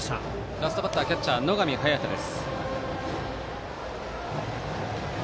ラストバッターキャッチャー、野上隼人です。